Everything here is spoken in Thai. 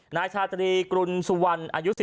นายชาตรีกรุณสุวรรณ